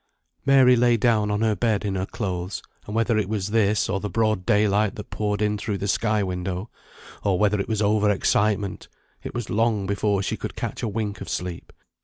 Mary lay down on her bed in her clothes; and whether it was this, or the broad daylight that poured in through the sky window, or whether it was over excitement, it was long before she could catch a wink of sleep.